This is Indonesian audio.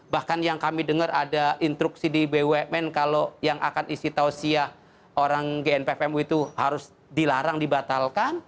bahkan yang kami dengar ada instruksi di bumn kalau yang akan isi tausiah orang gnpfmu itu harus dilarang dibatalkan